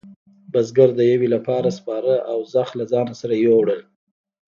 بزگر د یویې لپاره سپاره او زخ له ځانه سره وېوړل.